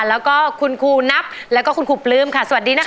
แล้วก็คุณครูนับแล้วก็คุณครูปลื้มค่ะสวัสดีนะคะ